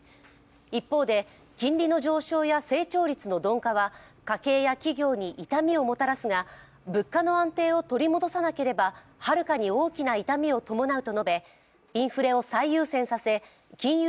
一方で、金利の上昇や成長率の鈍化は家計や企業に痛みをもたらすが物価の安定を取り戻さなければ遥かに大きな痛みを伴うと述べインフレを最優先させ、金融